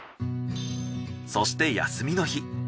そして休みの日。